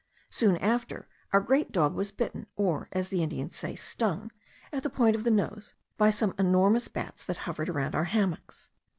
Soon after, our great dog was bitten, or, as the Indians say, stung, at the point of the nose, by some enormous bats that hovered around our hammocks.